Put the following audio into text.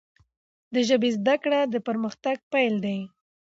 د ژبي زده کړه، د پرمختګ پیل دی.